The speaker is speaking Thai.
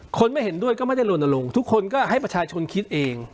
คนไม่เห็นด้วยก็ไม่ได้ลนลงทุกคนก็ให้ประชาชนคิดเอง